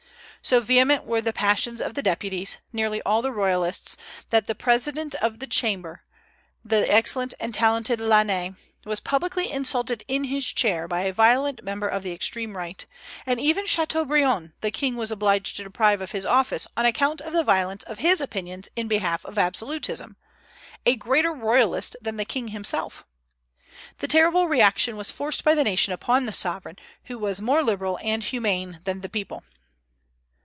So vehement were the passions of the deputies, nearly all Royalists, that the president of the Chamber, the excellent and talented Lainé, was publicly insulted in his chair by a violent member of the extreme Right; and even Chateaubriand the king was obliged to deprive of his office on account of the violence of his opinions in behalf of absolutism, a greater royalist than the king himself! The terrible reaction was forced by the nation upon the sovereign, who was more liberal and humane than the people.